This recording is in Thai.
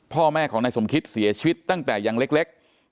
พ่อแม่ของนายสมคิตเสียชีวิตตั้งแต่ยังเล็ก